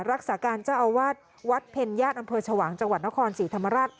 รักษาการเจ้าอาวาสวัดเพ็ญญาติอำเภอชวางจังหวัดนครศรีธรรมราช